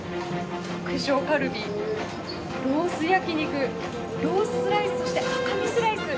特上カルビ、ロース焼き肉ローススライスそして赤身スライス。